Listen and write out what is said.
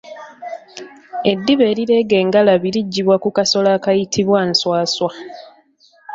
Eddiba erireega engalabi liggyibwa ku kasolo akayitibwa nswaswa.